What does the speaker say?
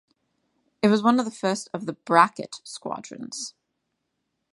It was one of the first of the "bracket" squadrons.